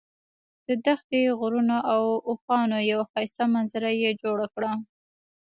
د دښتې، غرونو او اوښانو یوه ښایسته منظره یې جوړه کړه.